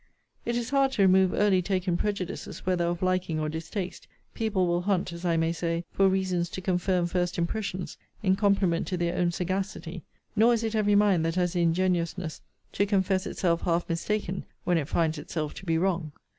It is hard to remove early taken prejudices, whether of liking or distaste. People will hunt, as I may say, for reasons to confirm first impressions, in compliment to their own sagacity: nor is it every mind that has the ingenuousness to confess itself half mistaken, when it finds itself to be wrong.